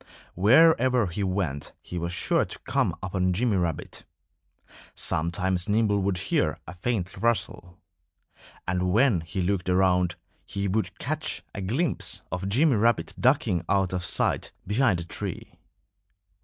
Wherever he went he was sure to come upon Jimmy Rabbit. Sometimes Nimble would hear a faint rustle. And when he looked around he would catch a glimpse of Jimmy Rabbit ducking out of sight behind a tree.